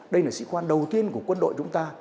đây là sĩ quan đầu tiên của quân đội chúng ta